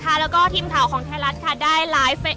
เชื่อหรือเกินค่ะคุณผู้ชมว่าข้ามคืนนี้นะคะแสงเพียรนับพันนับร้อยเล่มนะคะ